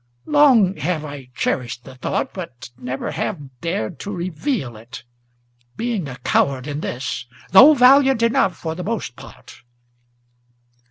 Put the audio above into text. Long have I cherished the thought, but never have dared to reveal it, Being a coward in this, though valiant enough for the most part.